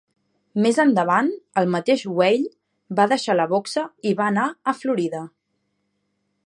Més endavant, el mateix Weill va deixar la boxa i va anar a Florida.